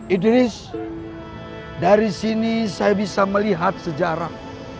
idris dari sini saya bisa melihat sejarah